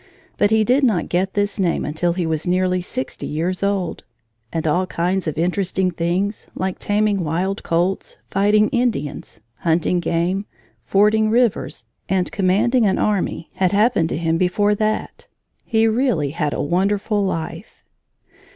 But he did not get this name until he was nearly sixty years old; and all kinds of interesting things, like taming wild colts, fighting Indians, hunting game, fording rivers, and commanding an army, had happened to him before that. He really had a wonderful life.